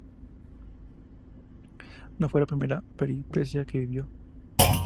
No fue la primera peripecia que vivió.